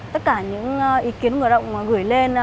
tất cả những ý kiến người lao động gửi lên